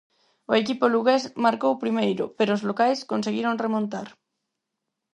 O equipo lugués marcou primeiro, pero os locais conseguiron remontar.